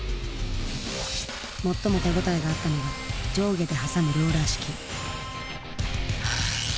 最も手応えがあったのが上下で挟むローラー式。